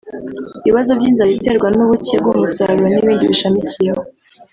ibibazo by’inzara iterwa n’ubuke bw’umusaruro n’ibindi bishamikiyeho